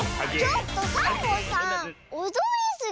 ちょっとサボさんおどりすぎ！